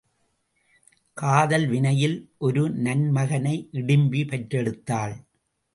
காதல் வினையில் ஒரு நன் மகனை இடிம்பி பெற்றெடுத்தாள்.